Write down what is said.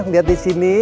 lihat di sini